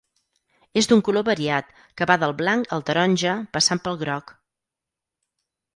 És d'un color variat que va del blanc al taronja passant pel groc.